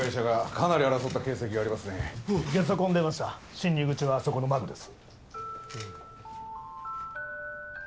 侵入口はあそこの窓です